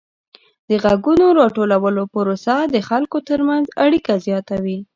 د غږونو راټولولو پروسه د خلکو ترمنځ اړیکه زیاتوي.